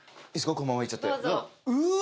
このまま行っちゃってうわ！